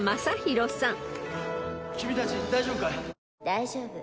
「大丈夫。